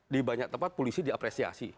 di banyak tempat polisi diapresiasi